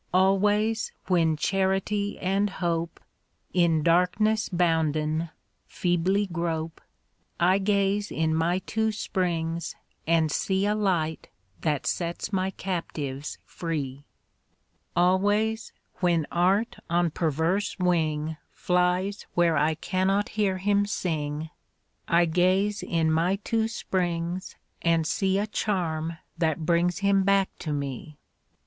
Always when Charity and Hope, In darkness bounden, feebly grope, I gaze in my two springs and see A Light that sets my captives free. Always, when Art on perverse wing Flies where I cannot hear him sing, I gaze in my two springs and see A charm that brings him back to me.